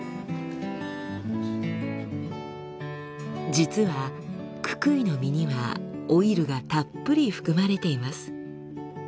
実はククイの実にはオイルがたっぷり含まれています。